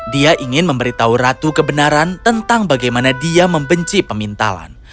dia ingin memberitahu ratu kebenaran tentang bagaimana dia membenci pemintalan